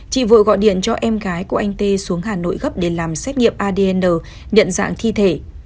chị vượi gọi điện cho em gái của anh tê xuống hà nội gấp để làm xét nghiệm adn nhận dạng thi thể